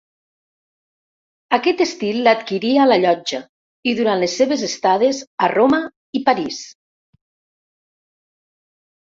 Aquest estil l'adquirí a la Llotja i durant les seves estades a Roma i París.